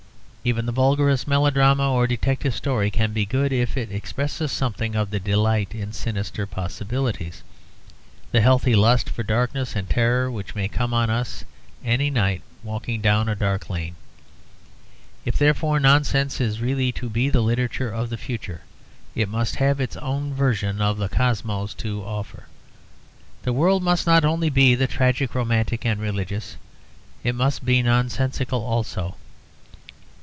Even the vulgarest melodrama or detective story can be good if it expresses something of the delight in sinister possibilities the healthy lust for darkness and terror which may come on us any night in walking down a dark lane. If, therefore, nonsense is really to be the literature of the future, it must have its own version of the Cosmos to offer; the world must not only be the tragic, romantic, and religious, it must be nonsensical also.